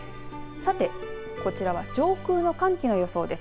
さて、こちらは上空の寒気の予想です。